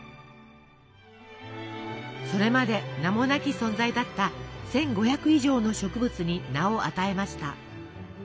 それまで名もなき存在だった１，５００以上の植物に名を与えました。